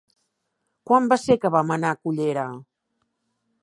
Quan va ser que vam anar a Cullera?